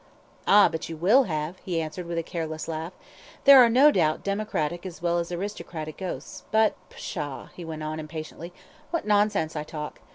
"Ah, but you will have," he answered with a careless laugh. "There are, no doubt, democratic as well as aristocratic ghosts; but, pshaw!" he went on, impatiently, "what nonsense I talk.